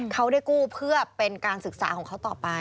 เขาได้กู้เพื่อเป็นการศึกษาของเขาต่อไป